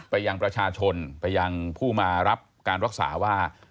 ไปยังประชาชนไปยังผู้มารับการรักษาว่า